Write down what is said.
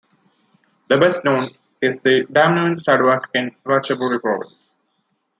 The best-known is the Damnoen Saduak in Ratchaburi Province.